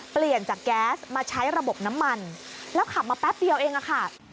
เปลี่ยนจากแก๊สมาใช้ระบบน้ำมันแล้วขับมาแป๊บเดียวเองอะค่ะ